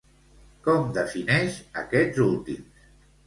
Com defineix aquests últims?